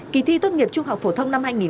kỳ thi tốt nghiệp trung học phổ thông